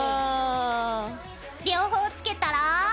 両方つけたら。